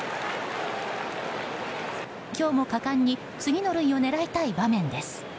今日も果敢に次の塁を狙いたい場面です。